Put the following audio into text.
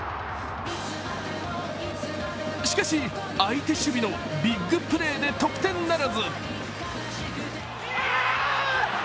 しかし相手守備のビッグプレーで得点ならず。